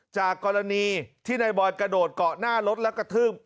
จากกรณีที่นายบอยกระโดดเกาะหน้ารถและกระทืบ